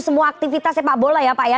semua aktivitas sepak bola ya pak ya